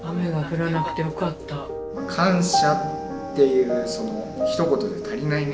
感謝っていうそのひと言で足りないね。